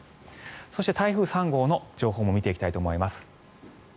そして、台風３号の情報も見ていきたいと思います。